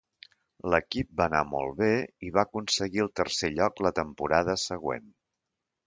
L'equip va anar molt bé i va aconseguir el tercer lloc la temporada següent.